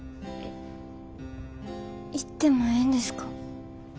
行ってもええんですか？